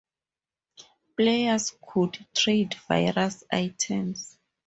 Players could trade various items.